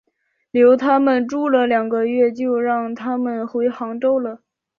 留他们住了两个月就让他们回杭州了。